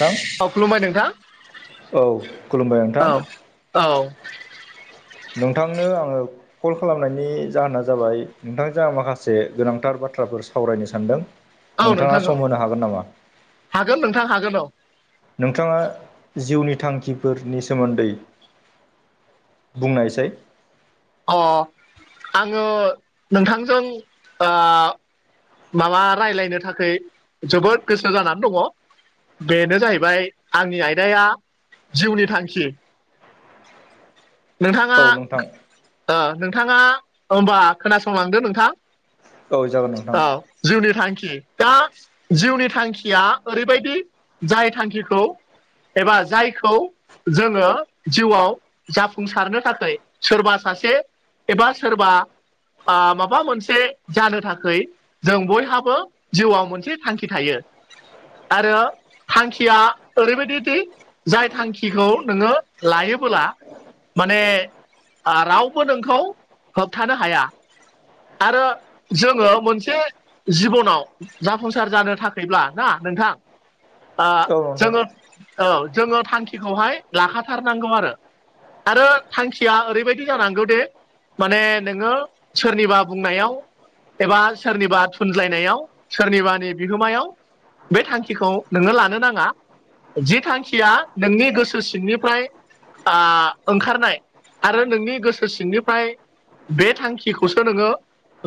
नोंथां औ खुलुमबाय नोंथां औ खुलुमबाय नोंथां औ औ नोंथांनो आङो कल खालामनायनि जाहोना जाबाय नोंथांजों आं माखासे गोनांथार बाथ्राफोर सावरायनो सानदों औ नोंथाङा नोंथां औ सम होनो हागोन नामा हागोन नोंथां हागोन औ नोंथाङा जिउनि थांखिफोरनि सोमोन्दै बुंनायसै अ 'आङो नोंथांजों माबा रायलायनो थाखै जोबोद गोसो जानानै दङ बेनो जाहैबाय आंनि आयदाया जिउनि थांखि। नोंथाङा औ नोंथां नोंथाङा होनबा खोनासंलांदो नोंथां औ जागोन नोंथां औ जिउनि थांखि दा जिउनि थांखिया ओरैबायदि जाय थांखिखौ एबा जायखौ जोङो जिउआव जाफुंसारनो थाखाय सोरबा सासे एबा सोरबा माबा मोनसे जानो थाखै जों बयहाबो जिउआव मोनसे थांखि थायो। आरो थांखिया ओरैबायदिदि जाय थांखिखौ नोङो लायोबोला माने रावबो नोंखौ होबथानो हाया। आरो जोङो मोनसे जिबनाव जाफुंसार जानो थाखायब्ला ना नोंथां ओ औ नोंथां जोङो औ जोङो थांखिखौहाय लाखाथारनांगौ आरो आरो थांखिया ओरैबाय दि जानांगौ दे माने नोङो सोरनिबा बुंनायाव एबा सोरनिबा थुनज्लायनायाव सोरनिबानि बिहोमायाव बे थांखिखौ नोङो लानो नाङा जि थांखिया नोंनि गोसो सिंनिफ्राय आ ओंखारनाय आरो नोंनि गोसो सिंनिफ्राय बे थांखिखौसो नोङो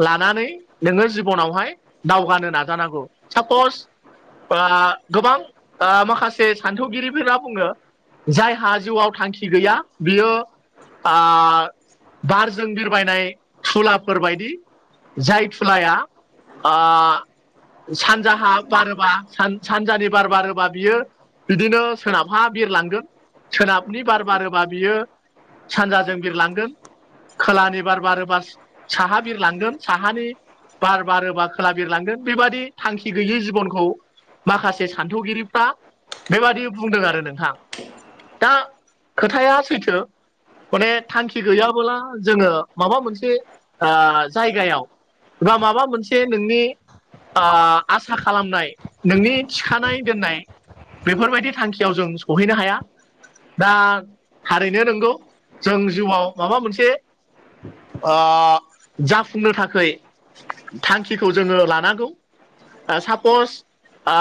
लानानै नोङो जिबनावहाय दावगानो नाजानांगौ सापस ओ गोबां माखासे सान्थौगिरिफोरा बुङो जायहा जिउआव थांखि गैया बियो ओ बारजों बिरबायनाय थुलाफोरबायदि जाय थुलाया आ सानजाहा बारोबा सानजानि बार बारोबा बियो बिदिनो सोनाबहा बिरलांगोन सोनाबनि बार बारोबा बियो सानजाजों बिरलांगोन खोलानि बार बारोबार साहा बिरलांगोन साहानि बार बारोबा खोला बिरलांगोन बेबायदि थांखि गैयि जिबनखौ माखासे सान्थौगिरिफ्रा बेबादि बुंदों आरो नोंथां। दा खोथाया सैथो माने थांखि गैयाबोला जोङो माबा मोनसे ओ जायगायाव बा माबा मोनसे नोंनि आ आसा खालामनाय नोंनि थिखानाय दोननाय बेफोरबायदि थांखियाव जों सहैनो हाया दा थारैनो नंगौ। जों जिउआव माबा मोनसे ओ जाफुंनो थाखाय थांखिखौ जोङो लानांगौ। सापस ओ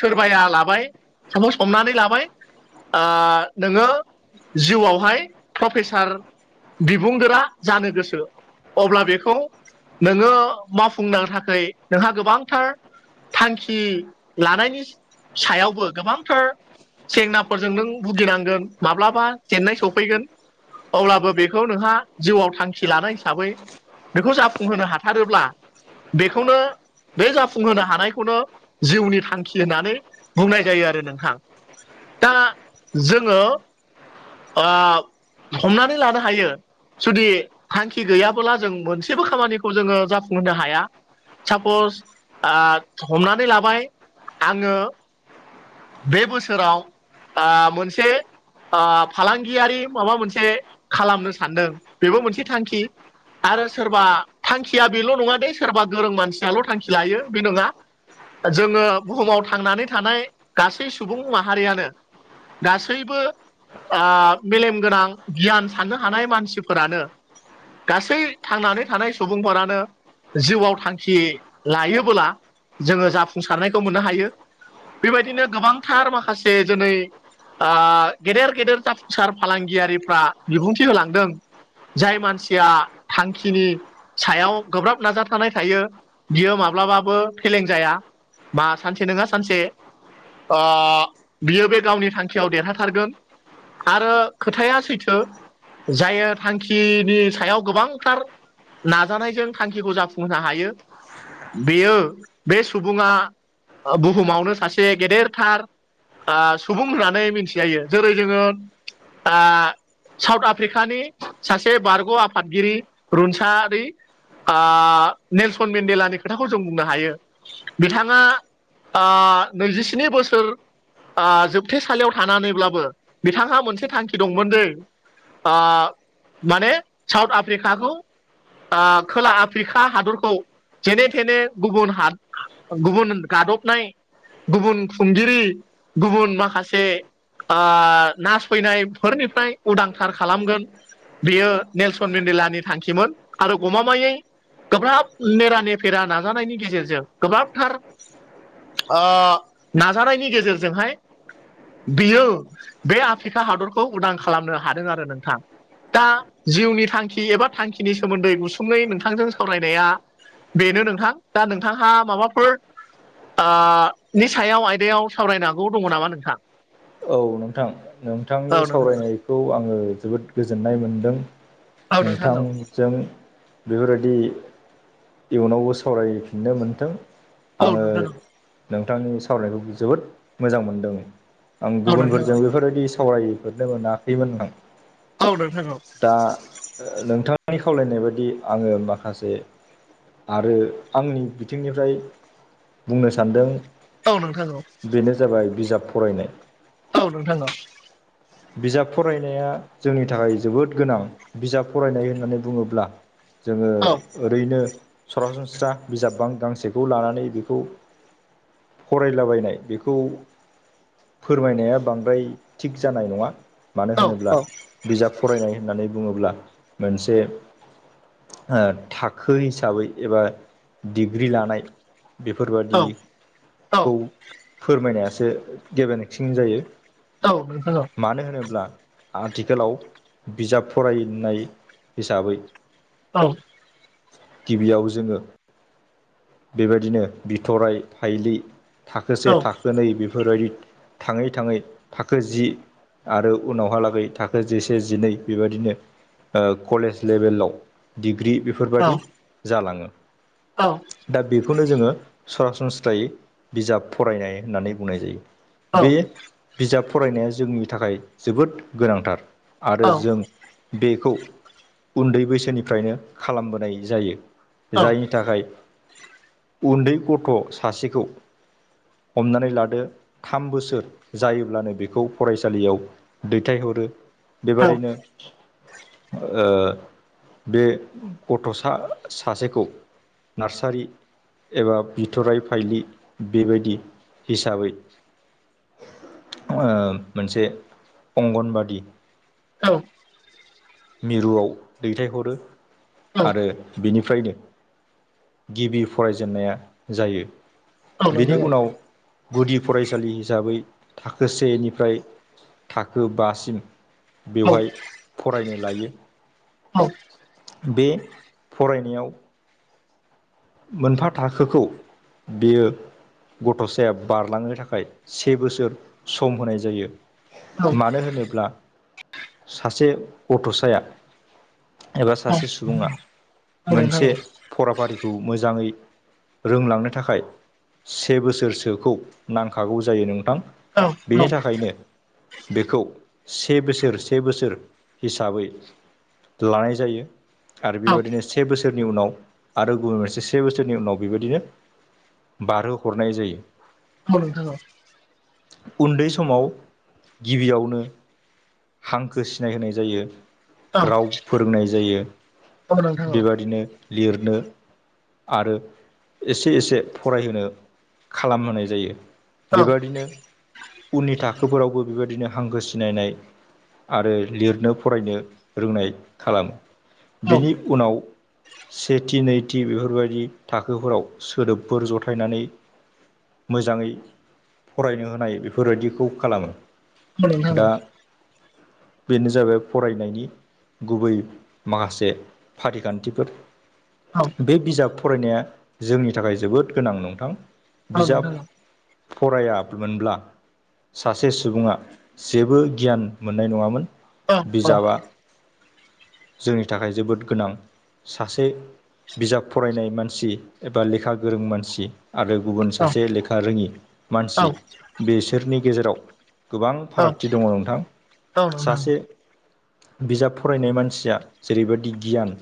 सोरबाया लाबाय सापस हमनानै लाबाय ओ नोङो जिउआवहाय प्रफेसार बिबुंगोरा जानो गोसो अब्ला बेखौ नोङो मावफुंनो थाखै नोंहा गोबांथार थांखि लानायनि सायावबो गोबांथार जेंनाफोरजों नों भुगिनांगोन माब्लाबा जेननाय सफैगोन अब्लाबो बेखौ नोंहा जिउआव थांखि लानाय हिसाबै बेखौ जाफुंहोनो हाथारोब्ला बेखौनो बे जाफुंहोनो हानायखौनो जिउनि थांखि होननानै बुंनाय जायो आरो नोंथां दा जोङो हमनानै लानो हायो जुदि थांखि गैयाबोला जों मोनसेबो खामानिखौ जोङो जाफुंहोनो हाया सापस आ हमनानै लाबाय आङो बे बोसोराव आ मोनसे आ फालांगियारि माबा मोनसे खालामनो सानदों बेबो मोनसे थांखि आरो सोरबा थांखिया बेल' नङा दे सोरबा गोरों मानसियाल' थांखि लायो बे नङा जोङो बुहुमाव थांनानै थानाय गासै सुबुं माहारियानो गासैबो मेलेम गोनां गियान साननो हानाय मानसिफोरानो गासै थांनानै थानाय सुबुंफोरानो जिउआव थांखि लायोबोला जोङो जाफुंसारनायखौ मोननो हायो। बेबायदिनो गोबांथार माखासे दोनै आ गेदेर गेदेर जाफु सार फालांगियारिफ्रा बिबुंथि होलांदों जाय मानसिया थांखिनि सायाव गोब्राब नाजाथानाय थायो बियो माब्लाबाबो फेलें जाया बा सानसे नङा सानसे ओ बियो बे गावनि थांखियाव देरहाथारगोन आरो खोथाया सैथो जायो थांखिनि सायाव गोबांथार नाजानायजों थांखिखौ जाफुंहोनो हायो बेयो बे सुबुङा बुहुमावनो सासे गेदेरथार आ सुबुं होननानै मिथिजायो जेरै जोङो आ साउथ आफ्रिकानि सासे बारग' आफादगिरि रुंसारि आ नेलसन मन्डेलानि खोथाखौ जों बुंनो हायो बिथाङा आ नैजिस्नि बोसोर आ जोबथेसालियाव थानानैब्लाबो बिथाङा मोनसे थांखि दंमोन दे आ माने साउथ आफ्रिकाखौ आ खोला आफ्रिका हादरखौ जेने थेने गुबुन हाद गुबुन गादबनाय गुबुन खुंगिरि गुबुन माखासे आ नास फैनायफोरनिफ्राय उदांथार खालामगोन बियो नेलसन मेनदेलानि थांखिमोन आरो गमामायै गोब्राब नेरानेफेरा नाजानायनि गेजेरजों गोब्राबथार ओ नाजानायनि गेजेरजोंहाय बियो बे थिखा हादरखौ उदां खालामनो हादों आरो नोंथां दा जिउनि थांखि एबा थांखिनि सोमोन्दै गुसुंङै नोंथांजों सावरायनाया बेनो नोंथां दा नोंथांहा माबाफोर आ निसायाव आयदायाव सावरायनांगौ दङ नामा नोंथाङा औ नोंथां औ नोंथांनि नोंथां सावरायनायखौ आङो जोबोद गोजोननाय मोनदों औ नोंथां औ नोंथांजों बेफोरबायदि इयुनावबो सावरायफिननो मोनथों औ आङो नोंथां औ नोंथांनि सावरायखौ जोबोद मोजां मोनदों आं औ नोंथां औ गुबुनफोरजों बेफोरबायदि सावरायफोरनो मोनाखैमोन आं औ नोंथां औ दा नोंथांनि खावलायनाय बायदि आङो माखासे आरो आंनि बिथिंनिफ्राय बुंनो सानदों औ नोंथां औ बेनो जाबाय बिजाब फरायनाय औ नोंथां औ बिजाब फरायनाया जोंनि थाखाय जोबोद गोनां बिजाब फरायनाय होननानै बुङोब्ला जोङो औ ओरैनो सरासनस्रा बिजाब बां गांसेखौ लानानै बेखौ फरायलाबायनाय बेखौ फोरमायनाया बांद्राय थिग जानाय नङा मानो औ होनोब्ला बिजाब फरायनाय होननानै बुङोब्ला मोनसे ओ थाखो हिसाबै एबा डिग्रि लानाय औ बेफोरबादिखौ फोरमायनायासो [unintelligible] जायो औ नोंथां औ मानो होनोब्ला आथिखालाव बिजाब फरायनाय हिसाबै औ औ गिबियाव जोङो बेबायदिनो बिथरराय थाइलि थाखोसे औ नोंथां औ थाखोनै बेफोर बेफोरबायदि थाङै थाङै थाखो जि आरो उनावहालागै थाखो जिसे जिनै बेबायदिनो ओ कलेज लेभेलाव डिग्रि औ नोंथां औ बेफोरबादि जालाङो औ दा बेखौनो जोङो सरासनस्रायै बिजाब फरायनाय होननानै बुंनाय जायो। बे बिजाब फरायनाया जोंनि थाखाय जोबोद गोनांथार आरो जों बेखौ उन्दै बैसोनिफ्रायनो खालामबोनाय जायो जायनि थाखाय उन्दै गथ' सासेखौ हमनानै लादो थाम बोसोर जायोब्लानो बेखौ फरायसालियाव दैथायहरो। बेबादिनो ओ बे गथ'सा सासेखौ नार्सारि एबा बिथ'राय फाइलि बेबायदि हिसाबै ओ मोनसे अंगनबादि औ मिरुआव दैथायहरो आरो बेनिफ्रायनो गिबि फरायजेननाया जायो। बेनि उनाव गुदि फरायसालि हिसाबै थाखो सेनिफ्राय थाखो बासिम बेवहाय फरायनो लायो। बे फरायनायाव मोनफा थाखोखौ बियो गथ'साया बारलांनो थाखाय से बोसोर सम होनाय जायो। मानो होनोब्ला सासे गथ'साया एबा सासे सुबुङा मोनसे फराफारिखौ मोजाङै रोंलांनो थाखाय से बोसोरसोखौ नांखागौ जायो नोंथां। बेनि थाखायनो बेखौ से बोसोर से बोसोर हिसाबै लानाय जायो आरो बेबायदिनो से बोसोरनि उनाव आरो गुबुन मोनसे से बोसोरनि उनाव बेबायदिनो बारहो हरनाय जायो। औ नोंथां औ उन्दै समाव गिबियावनो हांखो सिनायहोनाय जायो। राव फोरोंनाय जायो बेबादिनो लिरनो। आरो एसे एसे फरायहोनो खालामहोनाय जायो। बेबायादिनो उननि थाखोफोरावबो बेबायदिनो हांखो सिनायनाय आरो लिरनो फरायनो रोंनाय खालामो बेनि उनाव सेथि नैथि बेफोरबायदि थाखोफोराव सोदोबफोर जथायनानै मोजाङै फरायनो होनाय बेफोरबायदिखौ खालामो दा बेनो जाबाय फरायनायनि गुबै माखासे फारिखान्थिफोर। औ बे बिजाब फरायनाया जोंनि थाखाय जोबोद गोनां नोंथां औ बिजाब नोंथां औ फरायामोनब्ला सासे सुबुङा जेबो गियान मोननाय नङामोन‌ औ औ बिजाबा जोंनि थाखाय जोबोद गोनां सासे बिजाब फरायनाय मानसि एबा लेखा गोरों मानसि आरो गुबुन सासे लेखा रोङि औ मानसि बेसोरनि गेजेराव गोबां औ फारागथि दङ नोंथां औ नोंथां सासे बिजाब फरायनाय मानसिया जेरैबायदि गियान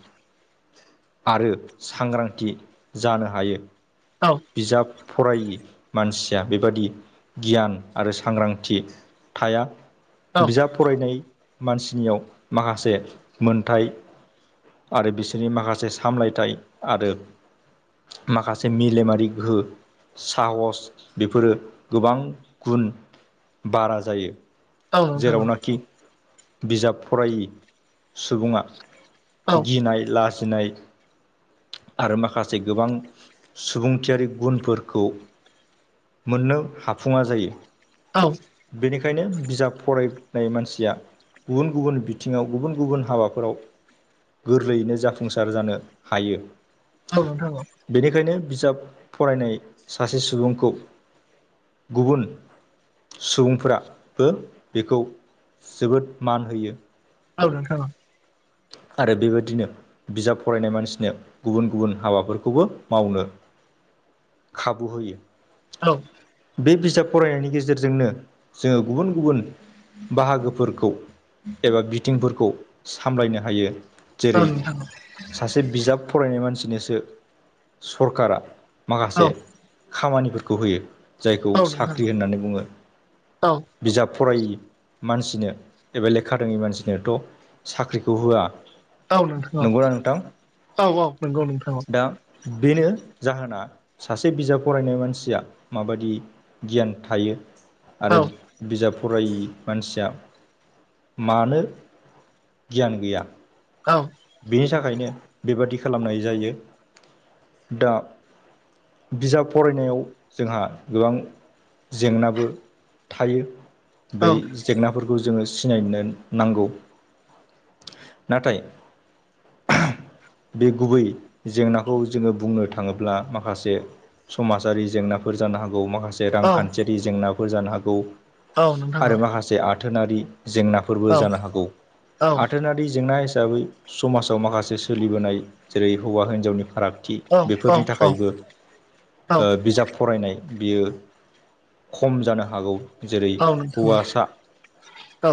आरो सांग्रांथि जानो हायो औ बिजाब फरायि मानसिया बेबादि गियान आरो सांग्रांथि थाया औ बिजाब फरायनाय मानसिनियाव माखासे मोनथाय आरो बिसोरनि माखासे सामलायथाय आरो माखासे मेलेमा रि गोहो साहस बेफोरो गोबां गुन बारा जायो। औ नोंथां औ। जेरावनाखि बिजाब फरायै सुबुङा औ गिनाय लाजिनाय आरो माखासे गोबां सुबुंथियारि गुनफोरखौ मोननो हाफुङा जायो। औ बेनिखायनो बिजाब फरायनाय मानसिया गुबुन गुबुन बिथिङाव गुबुन गुबुन हाबाफोराव गोरलैयैनो जाफुंसार जानो हायो। औ नोंथां औ बेनिखायनो बिजाब फरायनाय सासे सुबुंखौ गुबुन सुबुंफोराबो बेखौ जोबोद मान होयो औ नोंथां औ आरो बेबायदिनो बिजाब फरायनाय मानसिनो गुबुन गुबुन हाबाफोरखौबो मावनो खाबु होयो। औ बे बिजाब फरायनायनि गेजेरजोंनो जोङो गुबुन गुबुन बाहागोफोरखौ एबा बिथिंफोरखौ सामलायनो हायो जेरै सासे बिजाब फरायनाय मानसिनोसो सरकारा माखासे औ खामानिफोरखौ होयो जायखौ नोंथां साख्रि होननानै बुङो। बिजाब फरायि मानसिनो एबा लेखा रोङै मानसिनोथ' साख्रिखौ होआ औ नोंथां नंगौना नोंथां औ औ नंगौ नोंथां औ। दा बेनो जाहोना सासे बिजाब फरायनाय मानसिया माबायदि गियान थायो औ आरो बिजाब फरायि मानसिया मानो गियान गैया औ बिनि थाखायनो बेबादि खालामनाय जायो दा बिजाब फरायनायाव जोंहा गोबां जेंनाबो थायो औ बै जेंनाफोरखौ जोङो सिनायनो नांगौ नाथाय बे गुबै जेंनाखौ जोङो बुंनो थाङोब्ला माखासे समाजारि जेंनाफोर जानो हागौ माखासे रांखान्थियारि जेंनाफोर जानो हागौ आरो माखासे आथोनारि जेंनाफोरबो जानो हागौ आथोनारि जेंना हिसाबै समाजाव माखासे सोलिबोनाय जेरै हौवा हिनजावनि फाराग खि बेफोरनि थाखायबो औ बिजाब फरायनाय बियो खम जानो हागौ जेरै नोंथां औ हौवासा